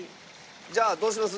じゃあどうします？